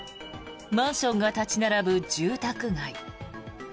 マンションが立ち並ぶ住宅街。